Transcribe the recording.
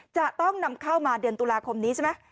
จะต้องนำเข้ามาเดือนตุลาคมนี้ใช่ไหม